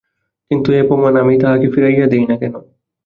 কিন্তু এ অপমান আমিই তাহাকে ফিরাইয়া দিই না কেন?